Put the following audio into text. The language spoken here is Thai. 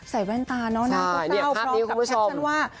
ใส่แว่นตาน้องหน้าก็เต้าพร้อมกับแท็กชั่นว่า